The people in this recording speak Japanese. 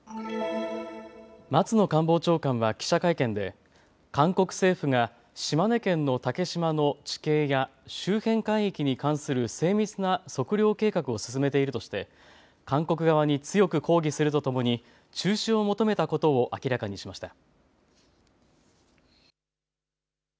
松野官房長官は記者会見で韓国政府が島根県の竹島の地形や周辺海域に関する精密な測量計画を進めているとして韓国側に強く抗議するとともに中止を求めたことを明らかにしました。